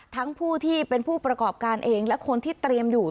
ผู้ที่เป็นผู้ประกอบการเองและคนที่เตรียมอยู่